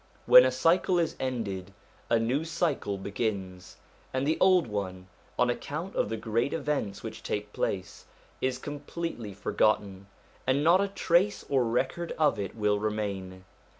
When a cycle is ended, a new cycle begins, and the old one, on account of the great events which take place, is completely forgotten, and not a trace or record of it will remain.